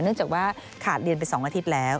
เนื่องจากว่าขาดเรียนไปสองอาทิตย์แล้ว